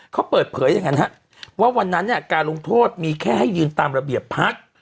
เขาเปิดเผยอย่างนั้นว่าวันนั้นเนี่ยการลงโทษมีแค่ให้ยืนตามระเบียบพัก